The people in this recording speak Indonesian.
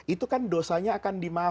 itu kan dosanya akan dimakan